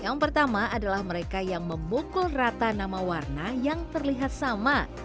yang pertama adalah mereka yang memukul rata nama warna yang terlihat sama